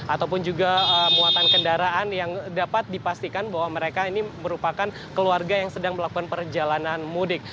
ataupun juga muatan kendaraan yang dapat dipastikan bahwa mereka ini merupakan keluarga yang sedang melakukan perjalanan mudik